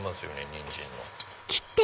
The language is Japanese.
ニンジンの。